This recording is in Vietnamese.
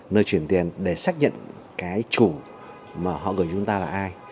nơi chuyển tiền để xác nhận cái chủ mà họ gửi chúng ta là ai